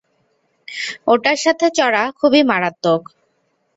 ওটার সাথে চড়া খুবই মারাত্মক।